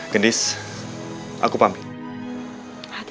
gedis aku pamit